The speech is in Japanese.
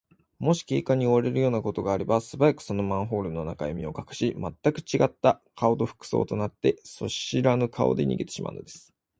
もし警官に追われるようなことがあれば、すばやく、そのマンホールの中へ身をかくし、まったくちがった顔と服装とになって、そしらぬ顔で逃げてしまうのです。